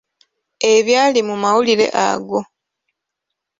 Ebyali mu mawulire ago.